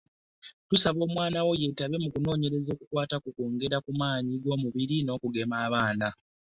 Tusaba omwana wo yeetabe mu kunoonyereza okukwata ku kwongera ku maanyi g’omubiri n’okugema abaana.